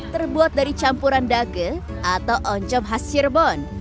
terbuat dari campuran dage atau oncom khas cirebon